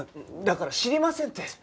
だから知りませんって。